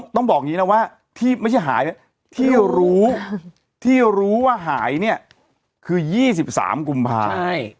ต้องบอกอย่างนี้นะว่าที่ไม่ใช่หายเนี่ยที่รู้ที่รู้ว่าหายเนี่ยคือ๒๓กุมภา